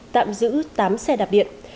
tạm giữ tám xe đạp điện